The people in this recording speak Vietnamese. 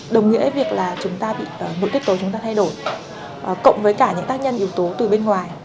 đồng nghĩa việc là nội tiết tố chúng ta thay đổi cộng với cả những tác nhân yếu tố từ bên ngoài